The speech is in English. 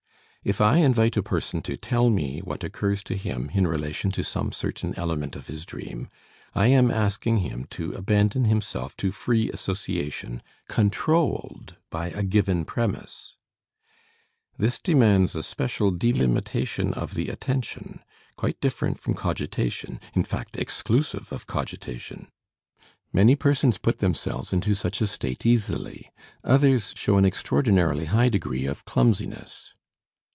If I invite a person to tell me what occurs to him in relation to some certain element of his dream I am asking him to abandon himself to free association, controlled by a given premise. This demands a special delimitation of the attention, quite different from cogitation, in fact, exclusive of cogitation. Many persons put themselves into such a state easily; others show an extraordinarily high degree of clumsiness.